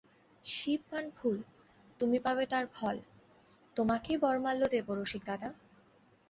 শিব পান ফুল, তুমি পাবে তার ফল– তোমাকেই বরমাল্য দেব রসিকদাদা!